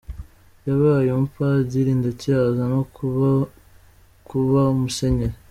Yabaye umupadiri ndetse aza no kuba kuba Musenyeri.